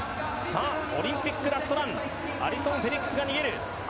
オリンピックラストランアリソン・フェリックス逃げる。